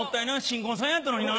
新婚さんやったのにな。